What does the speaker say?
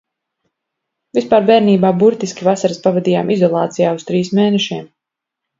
Vispār bērnībā burtiski vasaras pavadījām izolācijā uz trīs mēnešiem.